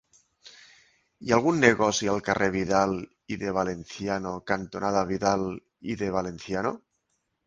Hi ha algun negoci al carrer Vidal i de Valenciano cantonada Vidal i de Valenciano?